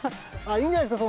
いいんじゃないですか